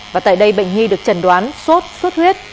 và tại đây bệnh nhi được trần đoán sốt xuất huyết